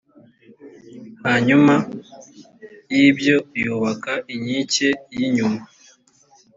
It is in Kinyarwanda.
hanyuma y ‘ibyo yubaka inkike y’ inyuma